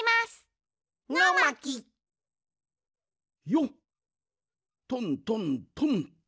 よっトントントンと。